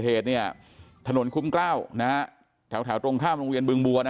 เหตุเนี่ยถนนคุ้มเกล้านะแถวตรงข้ามโรงเดียนบึงบัวนะ